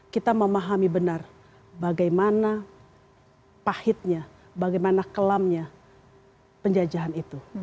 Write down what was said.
kita memahami benar bagaimana pahitnya bagaimana kelamnya penjajahan itu